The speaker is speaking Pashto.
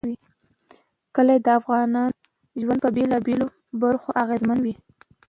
کلي د افغانانو ژوند په بېلابېلو برخو اغېزمنوي.